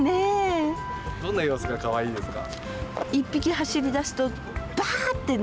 どんな様子がかわいいですか。